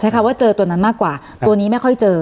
คำว่าเจอตัวนั้นมากกว่าตัวนี้ไม่ค่อยเจอ